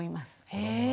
へえ！